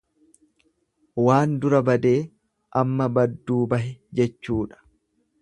Waan dura badee amma badduu bahe jechuudha.